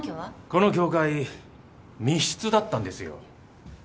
この教会密室だったんですよ。